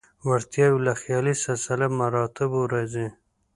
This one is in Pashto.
وړتیاوې له خیالي سلسله مراتبو راځي.